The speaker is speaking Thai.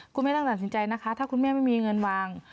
คุณแม่ต้องตัดสินใจนะคะถ้าคุณแม่ไม่มีเงินวาง